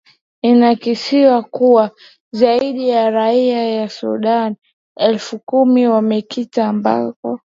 inakisiwa kuwa zaidi ya raia wa sudan elfu kumi wamekita makao